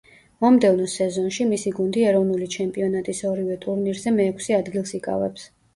მომდევნო სეზონში მისი გუნდი ეროვნული ჩემპიონატის ორივე ტურნირზე მეექვსე ადგილს იკავებს.